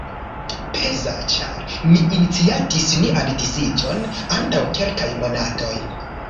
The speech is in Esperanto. Peza, ĉar mi iniciatis nian disiĝon antaŭ kelkaj monatoj.